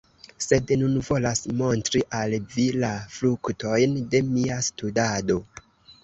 Sed nun volas montri al vi la fruktojn de mia studado.